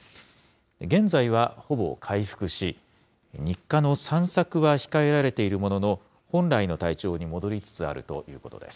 現在はほぼ回復し、日課の散策は控えられているものの、本来の体調に戻りつつあるということです。